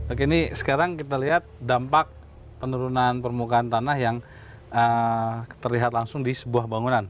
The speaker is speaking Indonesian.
oke ini sekarang kita lihat dampak penurunan permukaan tanah yang terlihat langsung di sebuah bangunan